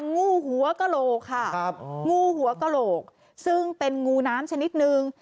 งูหัวกระโหลกค่ะงูหัวกระโหลกซึ่งเป็นงูน้ำชนิดนึง